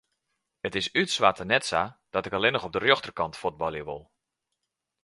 It is út soarte net sa dat ik allinne op de rjochterkant fuotbalje wol.